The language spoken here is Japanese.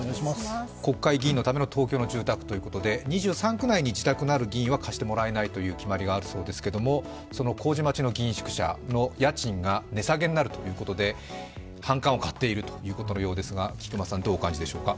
国会議員のための東京の住宅ということで２３区内に自宅がある議員は貸してもらえないという決まりがあるそうですけれども、その麹町の議員宿舎の家賃が値下げになるということで反感を買っているということのようですが、菊間さん、どうお感じでしょうか？